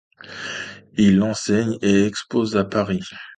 Il enseigne et expose à Paris.